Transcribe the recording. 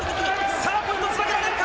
さあ、ポイントつなげられるか。